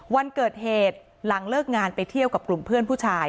วันเกิดเหตุหลังเลิกงานไปเที่ยวกับกลุ่มเพื่อนผู้ชาย